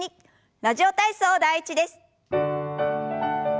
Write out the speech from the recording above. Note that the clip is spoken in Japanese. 「ラジオ体操第１」です。